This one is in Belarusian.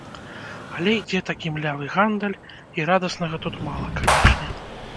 Але ідзе такі млявы гандаль і радаснага тут мала, канешне.